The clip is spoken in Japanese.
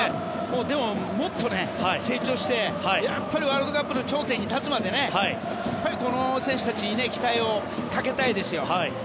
でも、もっと成長してやっぱりワールドカップの頂点に立つまでこの選手たちに期待をかけたいですよ。